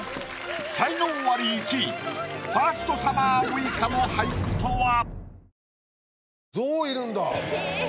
才能アリ１位ファーストサマーウイカの俳句とは⁉